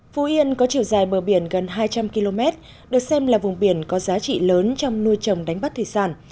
phú yên có chiều dài bờ biển gần hai trăm linh km được xem là vùng biển có giá trị lớn trong nuôi trồng đánh bắt thủy sản